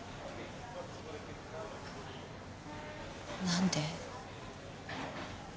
何で？